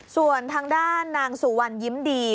ส่วนทางด้านนางสุวรรณยิ้มดี